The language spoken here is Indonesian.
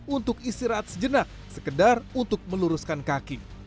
untuk istirahat sejenak sekedar untuk meluruskan kaki